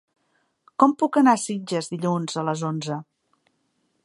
Com puc anar a Sitges dilluns a les onze?